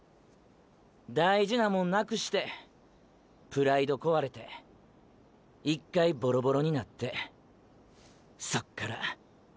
大事なモン失くしてプライドこわれて１回ボロボロになってそっから。